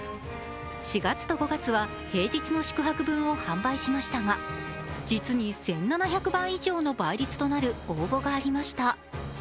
４月と５月は平日の宿泊分を販売しましたが実に１７００倍以上の倍率となる応募がありました。